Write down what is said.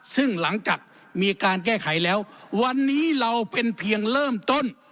ซึ่งหลังจากมีการแก้ไขแล้ววันนี้เราเป็นเพียงเริ่มต้น